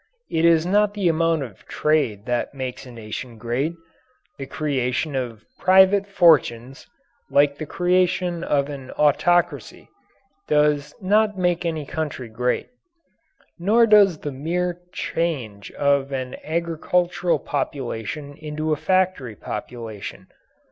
It is not the amount of trade that makes a nation great. The creation of private fortunes, like the creation of an autocracy, does not make any country great. Nor does the mere change of an agricultural population into a factory population.